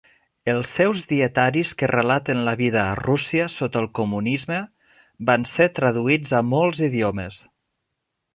Els seus dietaris que relaten la vida a Rússia sota el comunisme van ser traduïts a molts idiomes.